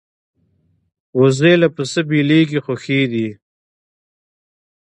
وزې له پسه بېلېږي خو ښې دي